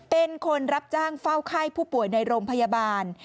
เป็นคนรับจ้างเฝ้าไข้ผู้ป่วยในโรงพยาบาล